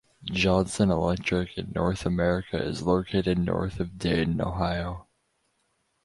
Johnson Electric in North America is located north of Dayton Ohio.